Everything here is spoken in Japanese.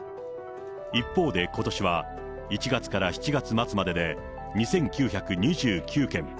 一方でことしは、１月から７月末までで２９２９件。